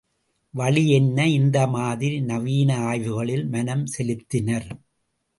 வழி என்ன? இந்த மாதிரி நவீன ஆய்வுகளில் மனம் செலுத்தினர்.